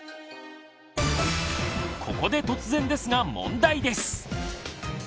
ここで突然ですが問題です！